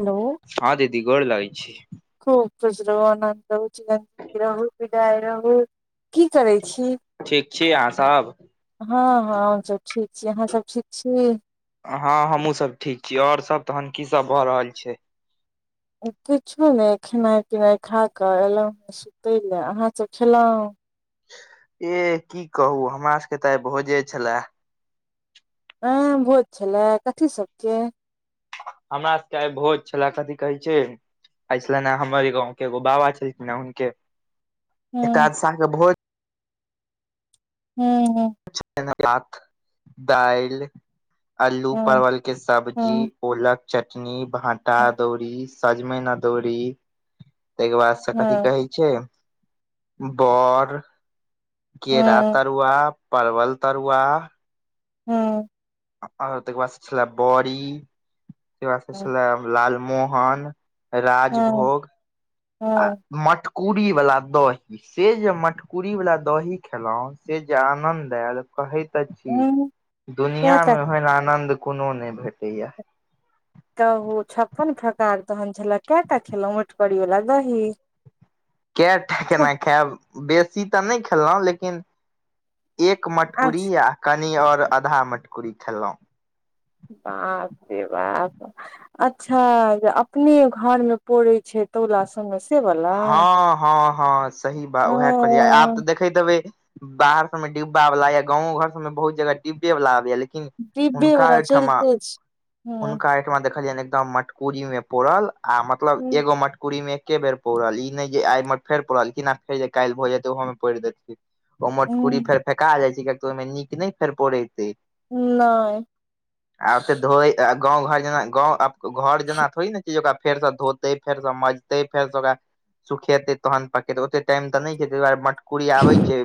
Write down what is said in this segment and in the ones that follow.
Hello हँ दीदी गोड़ लागै छी। खूब खुश रहू, आनन्द रहू, चिरंजीवी रहू, बिजय रहू की करै छी? ठीक छी अहाँ सब हँ हँ हम सब ठीक छी अहाँ सब ठीक छी? हँ हमहुँ सब ठीक छी आऔर सब तहन की सब भऽ रहल छै? किछो नहि खेनाइ पिनाइ खा क एलहुं हे सुतय ले अहाँ सब खेलहुं? एह की कहू हमरा सबके तऽ आइ भोजे छले। एं भोज छले कथी सबके? हमरा सभके आइ भोज छलए कथि कहै छै आइ छलनि हैं हमरे गाँंव के एगो बाबा छलखिन हैं हुनके हूँ एकादसाह के भोज। हूं हूं छलैन हैं भात, दाइल अल्लू हूँ परवल के सब्जी, हूँ ओलक चटनी, भाँटा अदौरी सजमैन अदौड़ी ताहिके बाद से कथि हूँ कहै छै बऽर, केरा हूँ तरुआ परवल तरुआ हँ आ तकर बाद स छलै बऽड़ी तकर बाद स छलै लाल मोहन हूँ राजभोग आ हूँ मटकूरी वला दही। से जे मटकुरी वला दही खेलौ से जे आनंद एल कहै त छी हूँ दुनिया कएटा मे ओहन आनद कोनो नहि भेटैयै। कहु छप्पन प्रकार तहन छलै कैटा खेलौं मटकुरी वला दही? कए टा छ- केना खायब बेसी तऽ नहि खेलौं लेकिन एक मटकुरी आ कनि और अधा मटकुरी खेलहुँ। बाप जे बाप अच्छा जे अपने घर मे पौड़ै छै तौला सबमे से बला। हँ -हँ -हँ सही बात ओ उएह कहलियै आब तऽ देख देखते हेबै बाहर सबमे डिब्बा वला या गाँवो घर सबमे बहुत जगह डिब्बे वला आबे या लेकिन लेकिन डिब्बे हुनका बला एयठमा चलिते छै हँ हुनका देखलियनि एकदम मटकुरीमे पौड़ल आ मतलब एगो मटकुरीमे एके बेर पौड़ल ई नहि जे आइ ऐ में पौरलखिन फेर जे काल्हि भऽ जेतै ओहोमे पौड़ि देथिन। ओ मटकुरी फेर फेेका जाइ छैय किये त ओहिमे नीक नहि फेर पौड़ेतेय। नय। आ ओते धो गाँव घर जेना ग घर जेना थोड़ ने छैय ओकरा फेरसँ धो तय फेरसे मजतै फेरसँ ओकरा सुखेतै तहन पौरतै ओते टाईम त नै छैय तैय दुआरे मट कुरी आबय छैय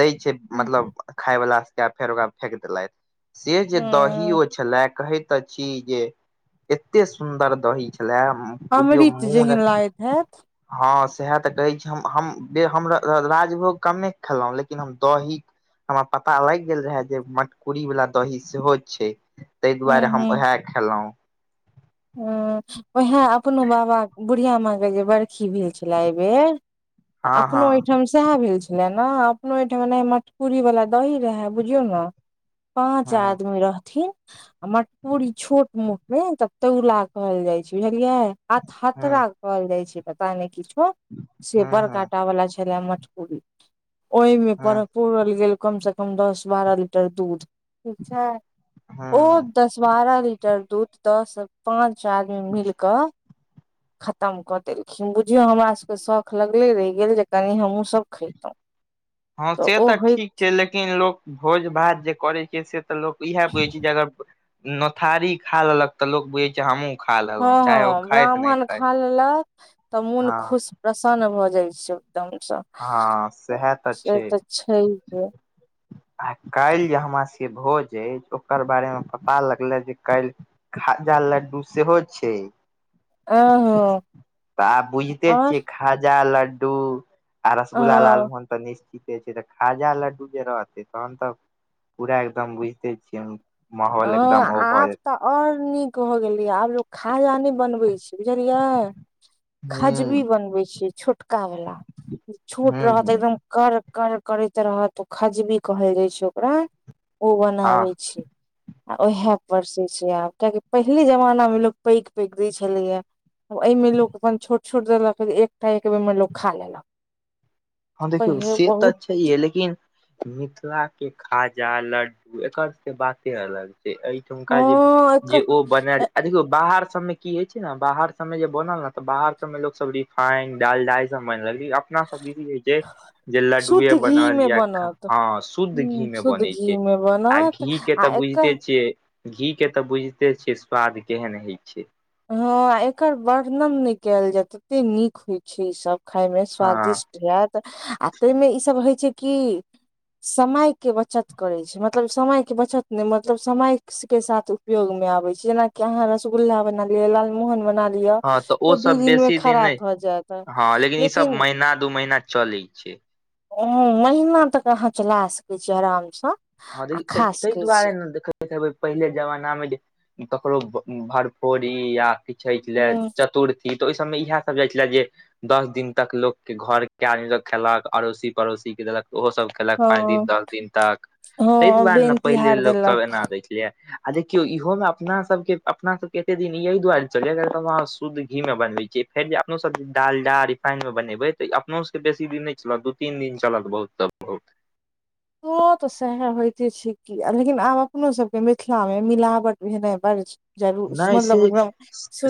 दैय छैय मतलब खाय बला सबके फेर ओकरा फेेक देलथि। से जे दही ह ओ छलय कहै छी त छी जे एते सुन्दर दही छले बुझियौ मोन अ हेत। हँ सएह तऽ कहै छी हम -हम -हम र- राजभोग कमे खेलहुँ लेकिन हम दही हमरा पता लागि गेल रहे जे मटकूरी वला दही सेहो छैय तैय हूँ दुआरे हम हूँ उएह खेलहुॅं। ह उएह अपनो बाबा बुढ़िया माँके जे बरखी भेल छलए एहिबेर तऽ हँ अपनो हँ ओहिठाम सएह भेल छले ने अपनो ओहिठाम ओनाहें मटकुरी वला दही रहै बुझियौ ने पाँच हँ आदमी रहथिन आ मटकुरी छोट मोटमे त तौला कहल जाइ छैय बुझलियै आ हँ अथरा कहल जाइ छैय पता नहि किछो से हँ बरका हँ टा बला छले मटकुरी। ओहिमे पर हँ पौरल गेल कमसँ कम दस बारह लीटर दूध ठीक छैय। ओ हँ दस बारह लीटर दूध पाँच आदमी मिल कऽ खतम कऽ देलखिन बुझियौ हमरा सभके शौख लगले रहि गेल जे कनि हमहूँसभ खेैतहुँ। हँ से तऽ ठीक छैय लेकिन लोक भोज-भात जे करैत छैय से त लोक इएह बुझे छैय जे अगर नोथारी खा लेलक तऽ लोक बुझय छैय हमहुँ हँ ब्राह्मण खा लेलक तऽ मोन हँ खुश प्रसन्न भऽ जाइ छैय एकदमसँ। हँ सेहे त छैय। छैहे आ काल्हि जे हमरा से भोज अय ओकर बारेमे पता लगलै जे काल्हि खाजा-लड्डू सेहो छैय। अहँ तऽ आब बुझिते और छियै खाजा, लड्डू आ अ रसगुल्ला, लाल मोहन तऽ निश्चिते छैय तऽ खाजा, लड्डू जे रहते तहन तऽ पूरा एकदम बुझिते छियै हम ह आब तऽ और नीक भ गेलै आब लोग खाजा नहि बनबे छैय बुझलियै जेतै हूँ खजबी बनबै छियै छोट छोटका वला छोट हूँ रहत हूँ एकदम कर कर करैत रहत ओ खजबी कहल जाय छैय ओकरा ओ हँ बनाबे छैय। आ उएह परसै छैय आब किआकि पहिले जमाना मे लोक पैघ-पैघ दै छेलैया एहिमे लोक अपन छोट -छोट देलक एकटा एक बेरमे लोक खा लेलक। हँ देखियौ पहिले से तऽ बहुत छैहे। लेकिन मिथिला के खाजा, लड्डू एकर सबके बाते अलग छै। अय ठुमका हँ जे-जे एकर ओ बनैर आ देखियौ बाहर सब मे की होय छै ने बाहर सब मे जे बनल ने त बाहर सब में लोक सब रि- फाइंड, डालडा ई सब मैन रल छै अपना सब दिस की होय छैय जे लडुए शुद्ध घी बनल मे या खा- बनत हँ शुद्ध ह घी मे शुद्ध बनै घी छै मे आ बनत घी घी के आ तऽ बुइझते एकर छियै घी के तऽ बुइझते छिये स्वाद केहन होय छैय। हँ एकर वर्णन नैय कैल जाय, तते नीक होय छै ई सब खाय मे हँ स्वादिष्ट इहैत आ तैय मे इ सब होय छै कि समय के बचत करै छै। मतलब समय के बचत नैय मतलब समय-के साथ- उपयोग मे आबेै छै। जेनाकि अहाँ रसगुल्ला बना लिय लालमोहन बना लि- हँ तऽ ओ सब बेसी दिन नैय जायत हँ लेकिन इ सब महीना दू महीना चलय छैय। हं महिना तक अहाँ चला सकैय छियै अराम स। [unintelligible] तै- तै- तैय दुआरे न देख ब - खबै पहिले जमाना मे जे ककरो ब-भड़फोड़ी या- कि छैठ लय ह चतुर्थी त ओय सब मे इएह सभ जाय छेला जे- दस दिन तक लोक के घर के आदमी सब खेलक अड़ोसी पड़ोसी के देलक ओहो सब केलक पाँच दिन हँ दस दिन तक। तैय हँ दुआरे ने बेन पहिले तिहार लोक सब देलक एना रहै छेलैयै। आ देखियो इहो में अपना सब के अपना सब के एते दिन इअय दुआरे चलयै [unintelligible] शुद्ध घी में बनवै छीयै। फेर जे अपनो सब डालडा, रिफाइन मे बनेबय तऽइअपनो सबके बेसी दिन नैय चलत दू तीन दिन चलत बहुत तऽ बहुत। तो तऽ सएहे होयते छै की, लेकिन आब अपनो सब के मिथिलामे मिलावट भेनाइ बड़ छै। नैय से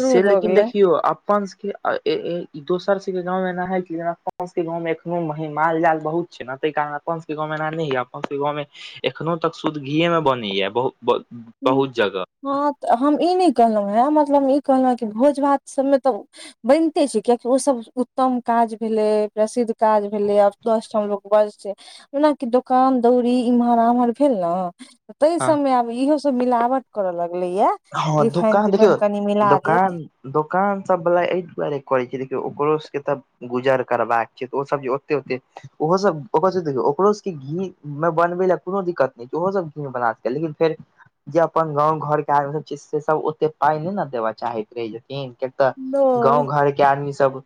-से भऽ लेकिन गेलै देखियौ अप्- अपन सब के आ -ए -ए -इ -दोसर सब के गाँव मे एना हय छय, अपना सब के गाँव मे एखनो मही माल जाल बहुत छय ने, तय कारण अप्पन सब के गाँव में एना नैय होयया अप्पन सबके गाँव में एखनो तक शूद्ध घीये में बनैया बहुत ब- बहुत जगह। हँत हम ई नै कहलौहें मतलब ई कहलौं कि भोज भात सब में त बैइनते छै कियेकि ओ सब उत्तम काज भेलै प्रसिद्ध काज भेलै अब दस ठाम लोक बजतै। ओनाकि दोकान दौरी इम्हर -ओम्हर भेल नऽ- तैय हँ सब मे आब इहो सब मिलावट करऽ लगलै यैए। हँ दोकान देखियौ दोकान दोकान सब वाला एय दुआरे करै छय देखियौ ओकरो सबके तऽ गुजर करबाक छैय तऽ ओ सब जे ओते -ओते ओहो सब ओकरो सब के देखियौ ओकरो सब के घी मे बनबै लए कोनो दिक्कत नै छै ओहो सब घी में बना सकैया लेकिन फेर जे अपन गाँव घर के आदमी सब छै से सब ओते पाय नैय न देबऽ चाहैत रहै [unintelligible] किन के तऽ नय गाँंव घर के आदमी सब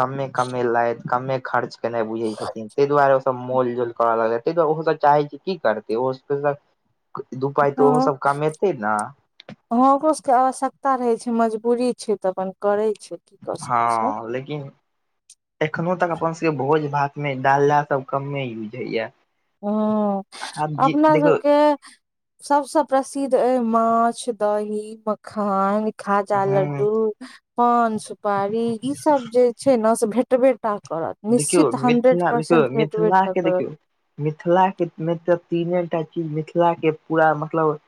कम्मे कम्मे लैत कम्मे खर्च केलय बुझै छथिन तैय दुआरे ओ सब मोल -जोल करऽ लगतै तैय दुआरे ओ सब चाहै छै की करतै ओ [unintelligible] क-दू पाय तऽ ओहो सब कमेतै ने हं ओकरो सबके आवश्यकता रहे छै मजबूरी छै तऽ अपन करेै छै। की कऽ सकै छै हँ लेकिन एखनो तक अपन सबके भोज- भात मे डालडा सब कम्मे यूज होयया। हं, अपना सबके सबस प्रसिद्ध अइ माछ, दही, मखान, खाजा, ह लड्डू पान, सुपारी ई सब जे छैय न से भेटबे टां करत। देखियौ निश्चित हंड्रेड मिथिला परसेंट भेटबे टा करत। मिथिलाके तऽ म -में त तीने टा चीज मिथिलाके पूरा मतलब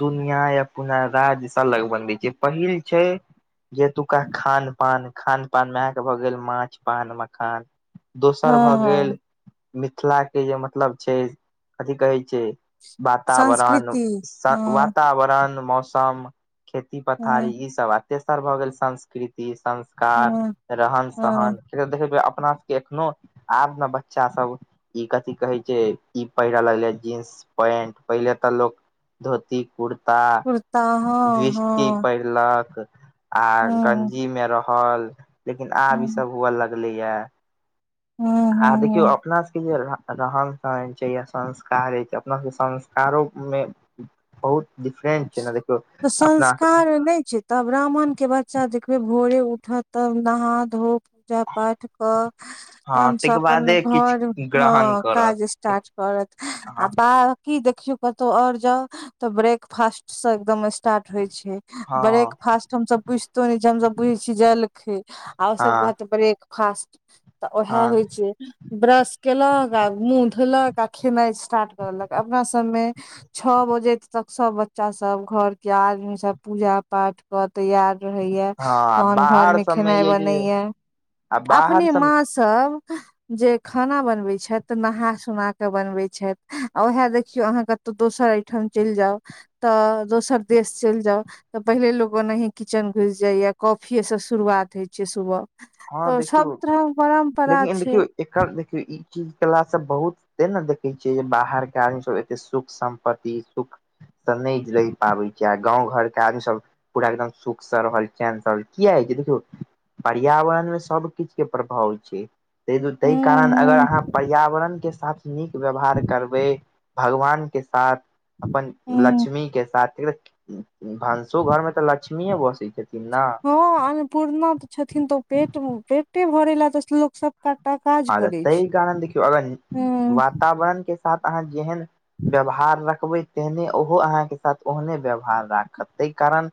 दुनिया या पूना राज्य से लग बनबै छैय पहिल छैय। जेतुका खान-पान, खान-पानमे अहाँके भऽ गेल माछ, पान, मखान। दोसर भए हँ गेल हँ मिथिलाके जे मतलब छैय, कथि कहै छैय। बातावरण संस्कृति स हँ वातावरण मौसम। खेती पथारी हँ इसभ तेसर भऽ गेल संस्कृति संस कार हँ रहन हँ सहन देखियौ, देखियौ अपना सबके एखनो आबने बच्चा सब ई कथी कहै छैय, इ पहिरे लगलैं जीन्स पैन्ट पहिले तऽ लोक धोती कुरता कुर्ता हँ बिसठी हँ पहिर लक आ हँ गंजी मे रहल लेकिन आब इ हँ सब हुआ ल लगलैया हँ हँ आ देखियौ हँ अपना सब के बेर में रहन सहन छैये, संस्कारे छैय अपना सब संस्कारों में बहुत डिफरेंट छैय ने देखु। तऽ संस्कार नैय छैय। तऽ ब्राह्मण के बच्चा देखबै भोरे उठत तब नहा धो पूजा पाठ कऽ। [unintelligible] हँ तहन स ताहिके अपन बादे घर किछु ग्रहण हां करत काज स्टार्ट करत आ हँ बा की देखियो कतौ और जाउ तऽ ब्रेकफास्ट से एकदम स्टार्ट होइ छैय। ब्रेक हँ फास्ट हम सब बुझतो ने छियै, हमसब बुझैय छियै जलखैं आ ओ सब हँ कहत ब्रेक फास्ट तऽ ओहाइय हँ होइय छैय। ब्रश केलक आ मुॅंह धोलक आ खेनाइ स्टार्ट करलक अपना सबमे छह बजे तक सब बच्चा सब घर के आदमी सब पूजा पाठ कऽ तैयार। रहैया हँ तहन घर बाहर मे सबमे खेनाइ य जे बनैया आ बाहर अपने सब मास्क। तब। जे खाना बनबैत छथि, तऽ नहा सुना केऽ बनबैत छथि आ उएह देखियौ अहाँके। तऽ दोसर एहिठाम चलि जाउ तऽ दोसर देश चलि जाउ। तऽ पहिले लोक ओनहि किचेन घुसि जाइया कॉफियेसँ शुरुआत होइ छैय सुबह। हँ तऽ सब देखियौ तरह परम्परा लेकिन देखियौ छैय। एकर देखियौ ई चीज केलासे बहुत ते ने देखैय छियै, जे बाहरके आदमीसभ एते सुख सम्पत्ति सुख। तऽ नैय रहि पाबैंय छैय आ गाँव घरके आदमी सभ पूरा एकदम सुुखसे रहल चेनसऽ किया हैय छैय, देखियौ। पीयावरण में सब किछ के प्रभाव होइ छैय। तैय द्वारे ह ताहि कारण अगर अहाँ पर्यावरणके साथ नीक व्यवहार करबैय। भगवान के साथ अपन ह ह लक्ष्मी के साथ एक की भनसो घरमे तऽ लक्ष्मीयें बसैय छथि। हां अन्नपूर्ना तऽ छथिन तऽ ओ पेट पेटे भरे लै तऽ लोक सबका टका। हां तऽ तहि कारण देखियौ अगर वातावरण के साथ अहाँ जेहेन व्यवहार रखबै तेहने ओहो अहाँ के साथ ओहने व्यवहार राखत तऽ। तैय कारण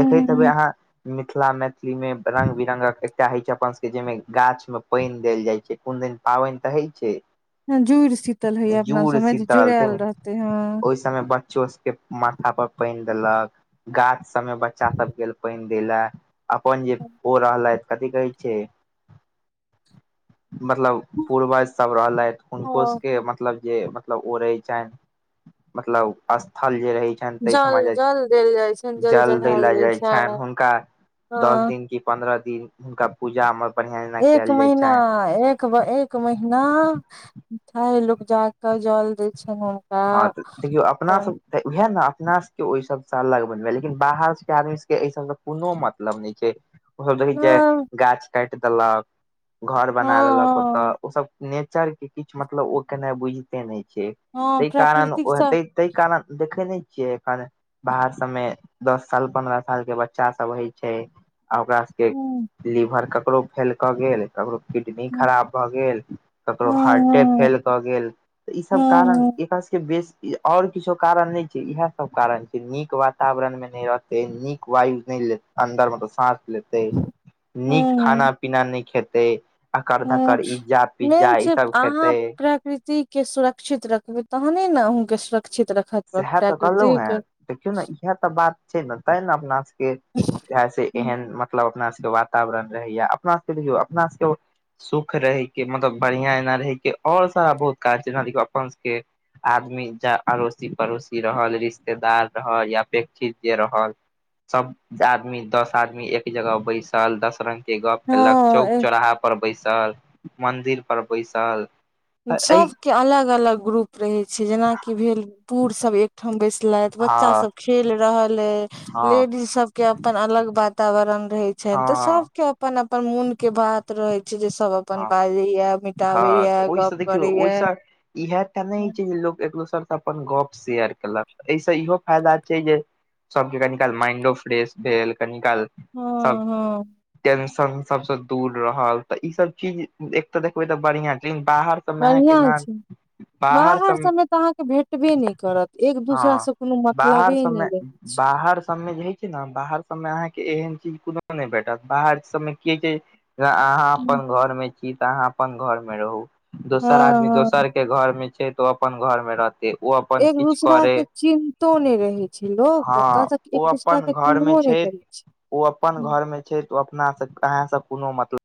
देखैत हेबैय अहाँ मिथिला मैथिली मे रंग बिरंगक एकटा हइ छैय, अपन सभके जाहिमे गाछ मे पइन देल जाइ छैय कोन दैन पाबनि तऽ होइ छैय। जुड़ शीतल हइया अपना सबमे जे जुड़ायल रहतैय हां। तहि मे सब में बच्चो सब के माथा पर पइन देलक, गाछ सब में बच्चा सब गेल पइन। देलेय अपन जे ओ रहलथि कथी कहैय छैय। मतलब पूर्वज सब रहलथि हुनको हँ सके मत मतलब जे मतलब ओ रहैय छनि मतलब स्थल जे रहैय छैय। तहन तहिठमा जल जाए जल देल जाइ छनि छी जल चढ़ायल दैला जाइ छैन छनि हुनका दस हँ दिन के। पंन्द्रह दिन हुनका पूजा में पऽ। एक महिना एक। [unintelligible] एक महीना तैं लोक जाके जल दैय छैंन हुनका। हाॅं तऽ देखियौ अपना अपन सब। तऽ उहे ने अपना सबके ओहि सबसँ अलग बनबै लेकिन बाहरके सबके आदमी सबके एहि सबसँ कोनो मतलब नहि छैं। ओहो देखै छै हँ गाछ काट देलक। घर बना हँ लेलक ओते ओ सब नेचर के किछ मतलब ओ केनाए बुझते नहि छै। हँ हँ तैय कारण प्राकृतिक सँ ओहे तैय कारण देखे नहि छियै एखन बाहर सबमे दस साल पन्द्रह साल के बच्चा सब होइ छैय। आ ओकरा सबके हूँ लीभर ककरो फेल कऽ गेल ककरो किडनी हूँ खराब भऽ गेल ककरो हूँ हार्टे हूँ फेल कऽ गेल तऽ ईसभ हूँ कारण हूँ एकर बेस और किछो कारण नहि छै इहे सब कारण छै नीक वातावरण में नहि रहत नीक वायु नहि लेत अन्दरमे तऽ सांस लेतै नीक खाना-पीना नहि खेतै अकड़ ह धकड़ इज्जा पिज्जा मेन ई छै सब अहाँ खेतै प्राकृतिक के सुरक्षित रखबै तहने ने अहूँके सुरक्षित रखत सेहै त कहलहु प्राकृतिक हैं देखियौ ने इहे तऽ बात छै ने ते ने अपना सबके इ से हम्म, एहन मत मतलब अपना सबके वातावरण रहैया अपना सबके देखयौ अपना सबके सुख रहैके मतलब बढ़िआँ एना रहैके ओर सारा बहुत काज जेना देखियौ अपन सबके आदमी जा अरोस अड़ोसी पड़ोसी रहल रिश्तेदार रहल अप अपेक्षित जे रहल सब आदमी दस आदमी एक जगह बैसल दस रंग के गप केलक हँ चौक ए- चौराहा पर बैसल मंदिर पर बैसल ए सबके अलग अलग ग्रुप रहैत छै जेनाकि भेल बूढ़ सभ एकठाम बैसलथि बच्चा हँ सब खेल रहल अय हँ लेडीज सब के अपन अलग वातावरण रहे छेन तऽ हँ सब के अपन अपन मोन के बात रहैत छै। छैय जए सब अपन हँ बाजे या मिटाबेया गप ओहिस करैया इहेटा नहि हो हँ छै जे लोक एक दोसरसँ अपन गप शेयर केलक एहिसँ इहो फायदा छै जे सबके कनी काल माइंडो फ्रेश भेल कनि काल सब हँ टेंशन सबसँ दूर रहल तऽ ई सब चीज एक तऽ देखबै तऽ बढ़ियां छै लेकिन बाहर सबमे अहाँके बढ़िआ न छै बाहर सबमे तऽ अहाँके भेटबे नहि करत एक दोसरा हँ से कोनो बाहर मतलबे सबमे नहि रहे बाहर सबमे जे होइ छै ने बाहर सबमें अहाँके एहन चीज कोनो नहि भेटत बाहर सबमें की होइ छै। त अहाँ हूँ अपन घर में छी तऽ अहाँ अपन घर मे रहू दोसर हँ आदमी दोसर हँ के घर मे छै तऽ ओ अपन घर मे रहतै ओ अपन एक किछु दोसरा करे के चिन्हतो नई रहे छै हँ लोक ओत त एक दोसरा के चिन्हबो नहि करै छै। ओ अपन हूँ घर में छै त ओ अपना से अहाँं स कोनो मतलब